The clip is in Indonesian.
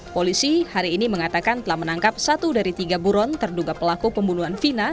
polisi hari ini mengatakan telah menangkap satu dari tiga buron terduga pelaku pembunuhan vina